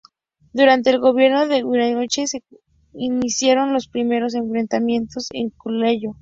Durante el gobierno de Huiracocha se iniciaron los primeros enfrentamientos en el Collao.